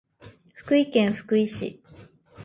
福井県福井市